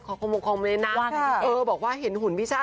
คอมเมนัทบอกว่าเห็นหุ่นพี่ช่า